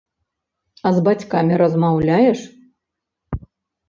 А з бацькамі размаўляеш?